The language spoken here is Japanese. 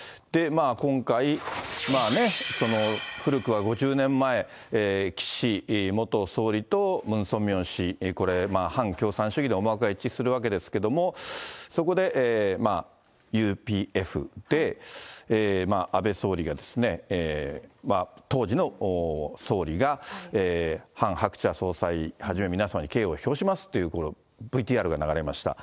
今回、まあね、古くは５０年前、岸元総理とムン・ソンミョン氏、これ、反共産主義で思惑が一致するわけですけども、そこでＵＰＦで、安倍総理が、当時の総理が、ハン・ハクチャ総裁はじめ、皆様に敬意を表しますって、ＶＴＲが流れました。